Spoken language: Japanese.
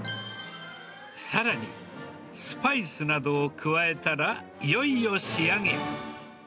さらに、スパイスなどを加えたら、いよいよ仕上げ。